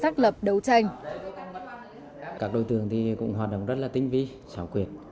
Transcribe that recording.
các đối tượng cũng hoạt động rất tinh vi sảo quyệt